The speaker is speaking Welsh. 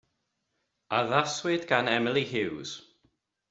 Addaswyd gan Emily Huws.